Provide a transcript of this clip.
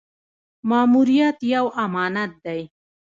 ماموریت یو امانت دی